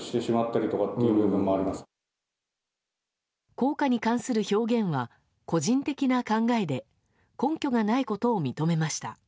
効果に関する表現は個人的な考えで根拠がないことを認めました。